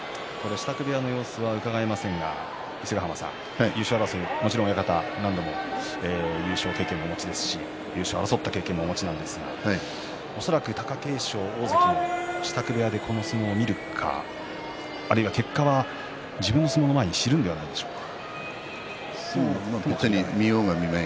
支度部屋の様子はうかがえませんが優勝争い、もちろん何度も優勝経験をお持ちですし優勝を争った経験もお持ちですが恐らく貴景勝大関貴景勝は支度部屋でこの取組を見るか、または自分の取組の前に結果を知るのではないでしょうか。